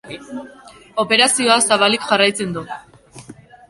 Operazioa zabalik jarraitzen du.